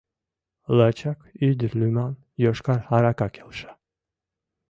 Лачак ӱдыр лӱман йошкар арака келша.